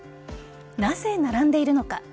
なぜ並んでいるのか。